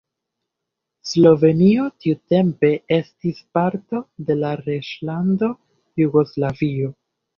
Slovenio tiutempe estis parto de la Reĝlando Jugoslavio.